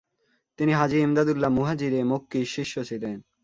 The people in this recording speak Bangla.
তিনি হাজী ইমদাদউল্লাহ মুহাজিরে মক্কির শিষ্য ছিলেন।